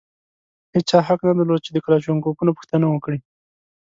هېچا حق نه درلود چې د کلاشینکوفونو پوښتنه وکړي.